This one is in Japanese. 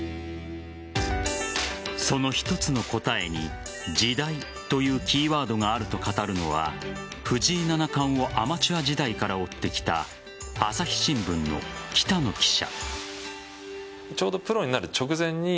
その一つの答えに時代というキーワードがあると語るのは藤井七冠をアマチュア時代から追ってきた朝日新聞の北野記者。